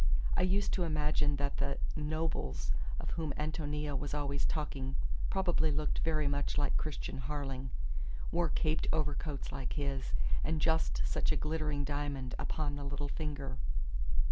I used to imagine that the "nobles" of whom Ántonia was always talking probably looked very much like Christian Harling, wore caped overcoats like his, and just such a glittering diamond upon the little finger.